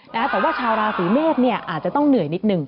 แต่ว่าชาวราศีเมษเนี่ยอาจจะต้องเหนื่อยนิดนึง